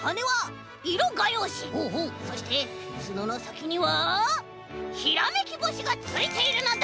そしてつののさきにはひらめきぼしがついているのだ！